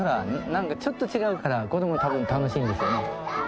なんかちょっと違うから子ども多分楽しいんですよね。